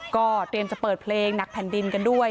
ก็เตรียมจะเปิดเพลงหนักแผ่นดินกันด้วย